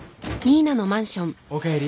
おかえり。